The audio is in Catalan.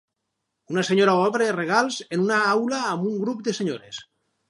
Una senyora obre regals en una aula amb un grup de senyores.